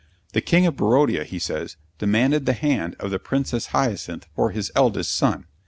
The King of Barodia, he says, demanded the hand of the Princess Hyacinth for his eldest son.